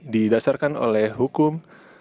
didasarkan oleh hukum